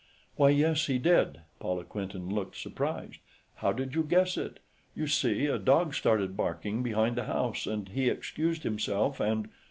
"Why, yes, he did." Paula Quinton looked surprised. "How did you guess it? You see, a dog started barking, behind the house, and he excused himself and...."